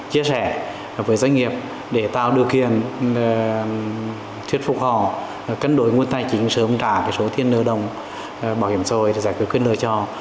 chia sẻ với doanh nghiệp để tạo điều kiện thuyết phục họ cân đối nguồn tài chính sớm trả số thiên nợ đồng bảo hiểm xã hội để giải quyết quyền nợ cho